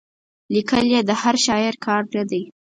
لیکل یې د هر شاعر کار نه دی.